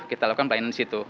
kita lakukan pelayanan di situ